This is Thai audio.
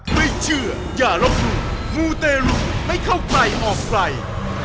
ไม่เชื่ออย่าล้มหนูมูเตรุไม่เข้าใกล้ออกไกล